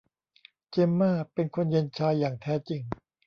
เจมม่าเป็นคนเย็นชาอย่างแท้จริง